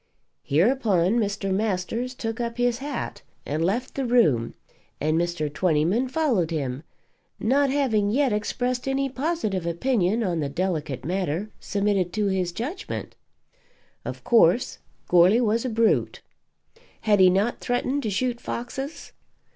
Hereupon Mr. Masters took up his hat and left the room, and Mr. Twentyman followed him, not having yet expressed any positive opinion on the delicate matter submitted to his judgment. Of course, Goarly was a brute. Had he not threatened to shoot foxes?